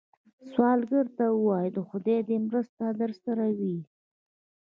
سوالګر ته ووايئ “خدای دې مرسته درسره وي”